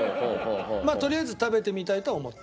まあとりあえず食べてみたいとは思った？